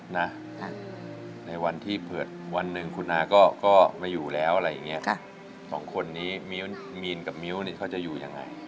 นะในวันที่เผิดวันหนึ่งคุณนาก็มาอยู่แล้วอะไรอย่างนี้สองคนนี้มีนกับมิ๊วเขาจะอยู่อย่างไร